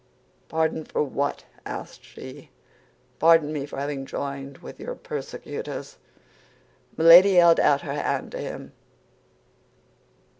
_ "Pardon for what?" asked she. "Pardon me for having joined with your persecutors." Milady held out her hand to him.